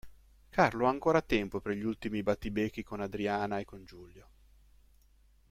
Carlo ha ancora tempo per gli ultimi battibecchi con Adriana e con Giulio.